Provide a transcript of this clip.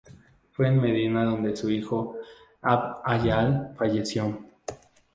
Fue en Medina donde su hijo Abd-Allah falleció.